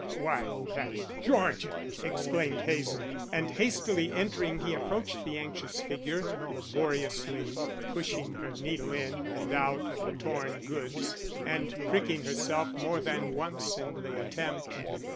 "Why, that's Georgian!" exclaimed Hazen, and hastily entering he approached the anxious figure laboriously pushing her needle in and out of the torn goods, and pricking herself more than once in the attempt.